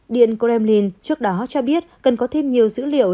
điện kremlin trước đó cho biết cần có thêm nhiều dữ liệu